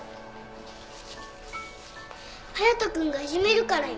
隼人君がいじめるからよ。